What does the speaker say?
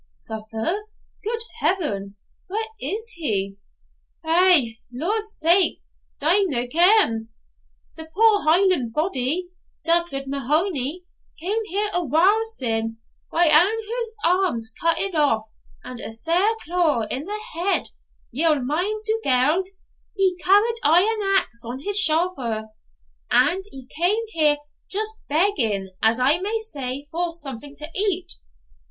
'Suffer! Good heaven! Why, where is he?' 'Eh, Lord's sake! d'ye no ken? The poor Hieland body, Dugald Mahony, cam here a while syne, wi' ane o' his arms cuttit off, and a sair clour in the head ye'll mind Dugald, he carried aye an axe on his shouther and he cam here just begging, as I may say, for something to eat.